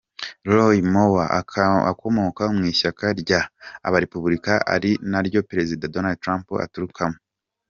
Roy Moore akomoka mu ishyaka ry’ Abarepubulikani ari naryo Perezida Donald Trump aturukamo.